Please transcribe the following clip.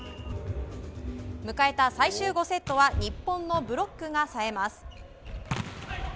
迎えた最終５セットは日本のブロックが冴えます。